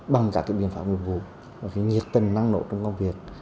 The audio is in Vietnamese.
bằng các biện pháp nguyên vụ nhiệt tình năng lộ trong công việc